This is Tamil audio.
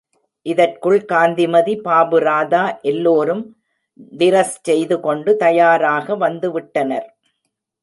இதற்குள், காந்திமதி, பாபு ராதா எல்லோரும் டிரஸ் செய்து கொண்டு தயாராக வந்து விட்டனர்.